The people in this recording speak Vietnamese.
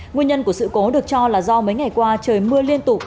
nguyên nhân của sự cố được cho là do mấy ngày qua trời mưa liên tục